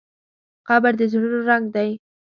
قبر د زړونو زنګ دی.